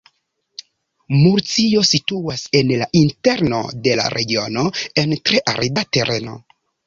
Murcio situas en la interno de la regiono, en tre arida tereno.